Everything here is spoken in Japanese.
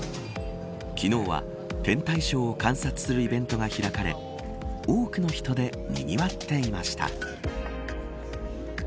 昨日は天体ショーを観察するイベントが開かれ多くの人でにぎわっていました。